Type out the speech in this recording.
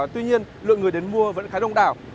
tuy nhiên lượng người đến mua vẫn khá đông đảo